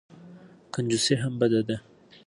کنجوسي هم بده ده.